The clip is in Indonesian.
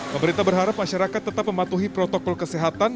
pemerintah berharap masyarakat tetap mematuhi protokol kesehatan